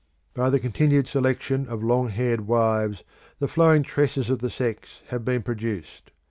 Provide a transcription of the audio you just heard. By the continued selection of long haired wives the flowing tresses of the sex have been produced.